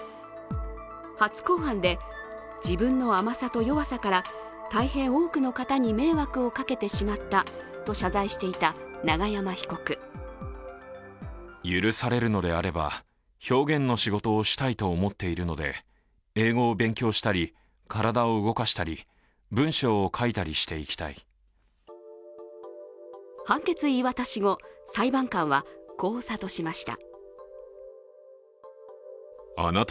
初公判で自分の甘さと弱さから大変多くの方に迷惑をかけてしまったと謝罪していた永山被告判決言い渡し後、裁判官はこうさとしました。